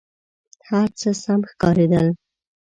هر څه سم ښکارېدل.